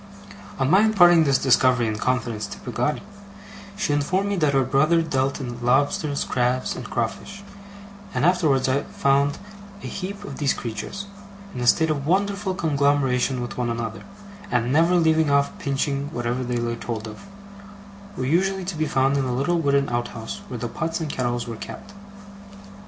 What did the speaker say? On my imparting this discovery in confidence to Peggotty, she informed me that her brother dealt in lobsters, crabs, and crawfish; and I afterwards found that a heap of these creatures, in a state of wonderful conglomeration with one another, and never leaving off pinching whatever they laid hold of, were usually to be found in a little wooden outhouse where the pots and kettles were kept.